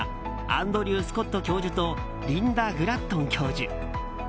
アンドリュー・スコット教授とリンダ・グラットン教授。